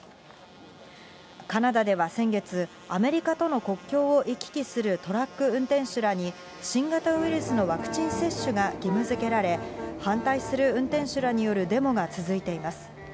カナダでは先月、アメリカとの国境を行き来するトラック運転手らに、新型ウイルスのワクチン接種が義務づけられ、反対する運転手らによるデモが続いています。